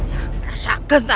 yang terasa ganda